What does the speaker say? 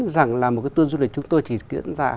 rằng là một tôn du lịch chúng tôi chỉ diễn ra